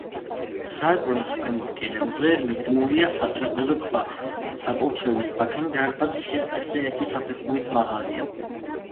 სარკმლის ქვემოთ, კედელზე მიდგმულია სატრაპეზო ქვა, საკურთხევლის ბაქანი დარბაზის იატაკზე ერთი საფეხურით მაღალია.